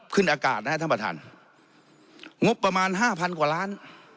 ขึ้นอากาศนะฮะท่านประธานงบประมาณห้าพันกว่าล้าน